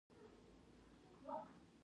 شفتالو ولې نرم وي؟